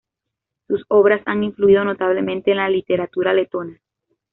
Sus obras han influido notablemente en la literatura letona.